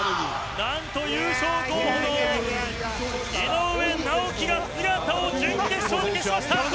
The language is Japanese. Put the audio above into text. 何と優勝候補の井上直樹が姿を準決勝で消しました！